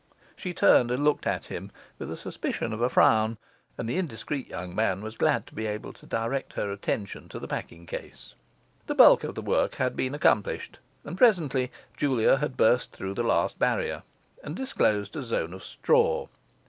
She turned and looked at him, with a suspicion of a frown; and the indiscreet young man was glad to direct her attention to the packing case. The bulk of the work had been accomplished; and presently Julia had burst through the last barrier and disclosed a zone of straw.